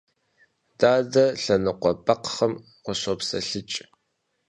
Дадэ лъэныкъуэ бэкхъым къыщӀопсэлъыкӀ.